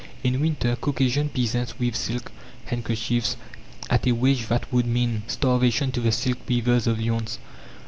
In winter, Caucasian peasants weave silk handkerchiefs at a wage that would mean starvation to the silk weavers of Lyons.